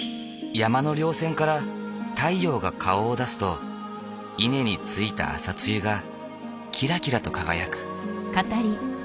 山の稜線から太陽が顔を出すと稲についた朝露がキラキラと輝く。